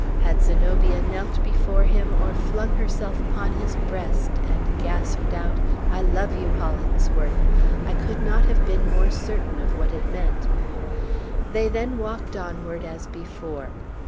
Had Zenobia knelt before him, or flung herself upon his breast, and gasped out, "I love you, Hollingsworth!" I could not have been more certain of what it meant. They then walked onward, as before.